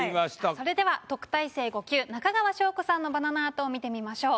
それでは特待生５級中川翔子さんのバナナアートを見てみましょう。